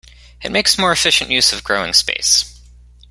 It makes more efficient use of growing space.